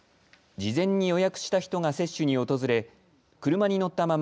事前に予約した人が接種に訪れ車に乗ったまま